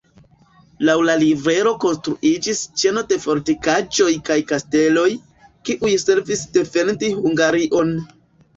Laŭ la rivero konstruiĝis ĉeno de fortikaĵoj kaj kasteloj, kiuj servis defendi Hungarion.